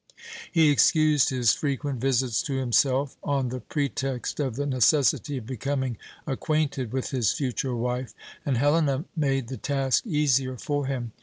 He excused his frequent visits to himself on the pretext of the necessity of becoming acquainted with his future wife, and Helena made the task easier for him.